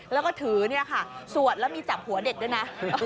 แล้วก็ถือเนี่ยค่ะสวดแล้วมีจับหัวเด็กด้วยนะ